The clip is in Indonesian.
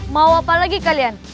mau apa lagi kalian